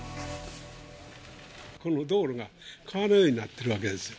この道路が川のようになっているわけですよ。